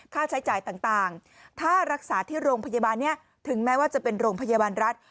ค่าใช้จ่ายต่างค่ารักษาที่โรงพยาบาลนี้ถึงแม้ว่าจะเป็นโรงพยาบาลรัฐ